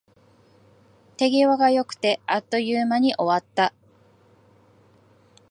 手際が良くて、あっという間に終わった